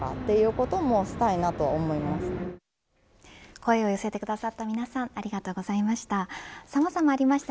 声を寄せてくださった皆さんありがとうございました。